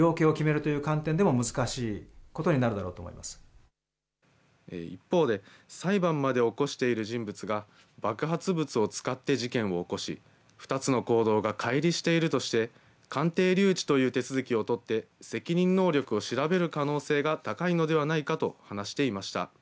今後の捜査のポイントについて専門家は一方で裁判まで起こしている人物が爆発物を使って事件を起こし２つの行動がかい離しているとして鑑定留置という手続きを取って責任能力を調べる可能性が高いのではないかと話していました。